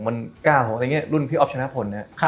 มันกล้าของรุ่นพี่ออฟชนะพลเนี่ย